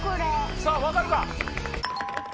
さあ分かるか？